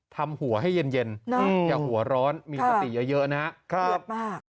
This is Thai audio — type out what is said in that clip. ทำหัวให้เย็นอย่าหัวร้อนมีปฏิเยอะนะครับ